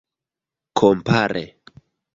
kompare